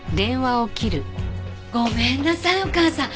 ごめんなさいお義母さん。